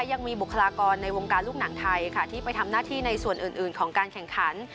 ยังมีบุคลากรในวงการลูกหนังไทยค่ะที่ไปทำหน้าที่ในส่วนอื่นของการแข่งขัน